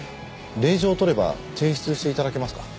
令状を取れば提出して頂けますか？